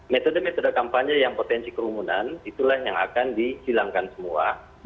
metode metode kampanye yang potensi kerumunan itulah yang akan dihilangkan semua